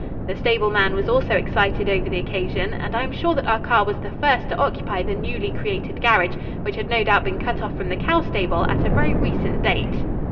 The stable man was also excited over the occasion, and I am sure that our car was the first to occupy the newly created garage, which had no doubt been cut off from the cow stable at a very recent date.